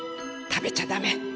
食べちゃダメ。